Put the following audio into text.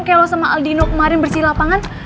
kayak lo sama aldino kemarin bersih lapangan